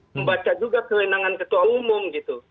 membaca juga kewenangan ketua umum gitu